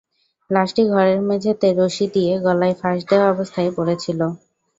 লাশটি ঘরের মেঝেতে রশি দিয়ে গলায় ফাঁস দেওয়া অবস্থায় পড়ে ছিল।